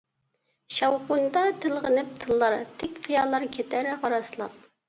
شاۋقۇنىدا تىلغىنىپ دىللار، تىك قىيالار كېتەر غاراسلاپ.